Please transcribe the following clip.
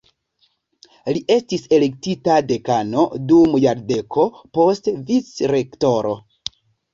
Li estis elektita dekano dum jardeko, poste vicrektoro.